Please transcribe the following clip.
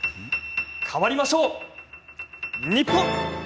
変わりましょう、日本！